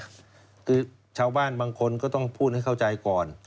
คือชาวบ้านบางคนก็ต้องพูดให้เข้าใจก่อน